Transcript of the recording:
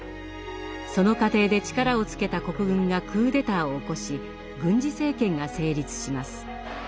その過程で力をつけた国軍がクーデターを起こし軍事政権が成立します。